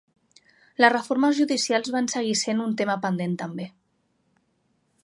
Les reformes judicials van seguir sent un tema pendent també.